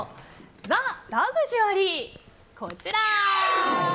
ザ・ラグジュアリー、こちら。